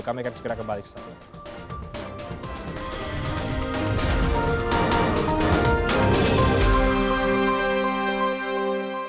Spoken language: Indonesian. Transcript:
kami akan segera kembali sesuatu